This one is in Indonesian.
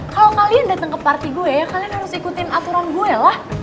kalo kalian dateng ke party gue kalian harus ikutin aturan gue lah